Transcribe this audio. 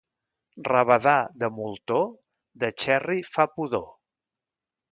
Rabadà de moltó, de xerri fa pudor.